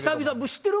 知ってる？